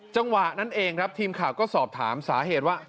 จังหวะนั้นเองครับทีมข่าวก็สอบถามสาเหตุว่า